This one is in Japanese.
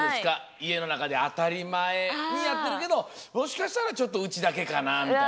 いえのなかであたりまえにやってるけどもしかしたらちょっとうちだけかなみたいな。